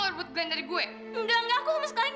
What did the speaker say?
awak buat di depan tunggu cuma dan l chasing